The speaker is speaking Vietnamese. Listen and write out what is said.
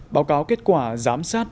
báo cáo kết quả giám sát